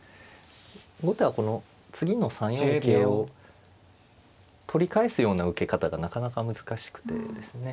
後手はこの次の３四桂を取り返すような受け方がなかなか難しくてですね